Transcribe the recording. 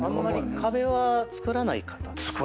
壁はつくらない方ですか？